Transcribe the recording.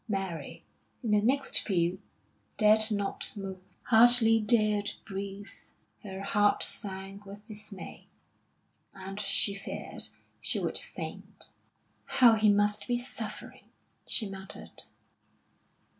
Mary, in the next pew, dared not move, hardly dared breathe; her heart sank with dismay, and she feared she would faint. "How he must be suffering!" she muttered.